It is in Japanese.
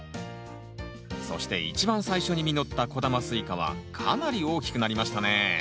そして一番最初に実った小玉スイカはかなり大きくなりましたね